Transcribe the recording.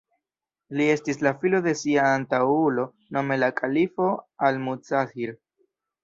Li estis la filo de sia antaŭulo, nome la kalifo Al-Mustazhir.